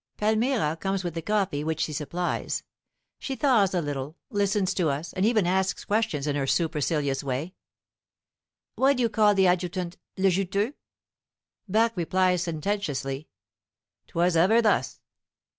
Palmyra comes with the coffee, which she supplies. She thaws a little, listens to us, and even asks questions in a supercilious way: "Why do you call the adjutant 'le juteux'?" Barque replies sententiously, "'Twas ever thus."